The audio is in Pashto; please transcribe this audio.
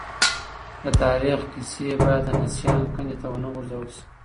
د تاریخ کیسې باید د نسیان کندې ته ونه غورځول سي.